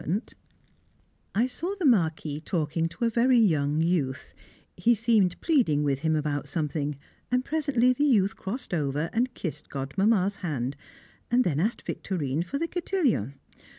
[Sidenote: Nearly a Duel] I saw the Marquis talking to a very young youth; he seemed pleading with him about something, and presently the youth crossed over and kissed Godmamma's hand, then asked Victorine for the cotillon.